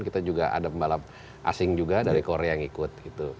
kita juga ada pembalap asing juga dari korea yang ikut